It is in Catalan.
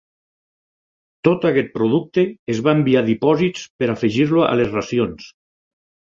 Tot aquest producte es va enviar a dipòsits per afegir-lo a les racions.